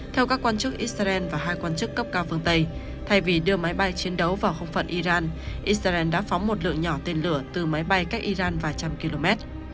theo các quan chức israel và hai quan chức cấp cao phương tây thay vì đưa máy bay chiến đấu vào không phận iran israel đã phóng một lượng nhỏ tên lửa từ máy bay cách iran vài trăm km